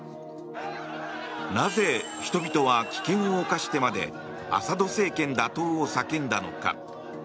なぜ人々は危険を冒してまでアサド政権打倒を叫んだのか。